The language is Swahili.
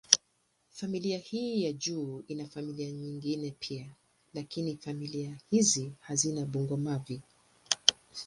Familia hii ya juu ina familia nyingine pia, lakini familia hizi hazina bungo-mavi.